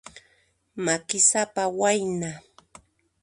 Makisapa wayna.